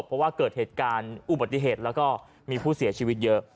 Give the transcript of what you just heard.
เพราะว่าเกิดเหตุการณ์อุบัติเหตุแล้วก็มีผู้เสียชีวิตเยอะ